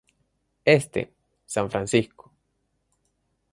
Este: San Francisco.